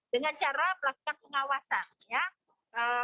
dengan cara melakukan pengawasan